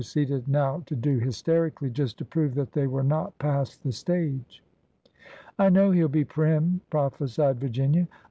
11 ceeded now to do hysterically, just to prove that they were not past the stage. '' I know he 'll be prim," prophesied Virginia.